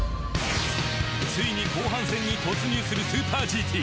ついに後半戦に突入するスーパーＧＴ。